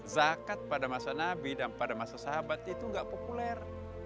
zakat pada masa nabi dan pada masa sahabat itu gak populer